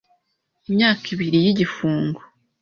Imyaka ibiri y’igifungo